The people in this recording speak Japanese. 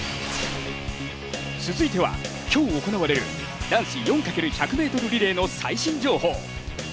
続いては、今日行われる男子４×１００ｍリレーの最新情報。